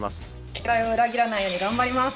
期待を裏切らないように頑張ります。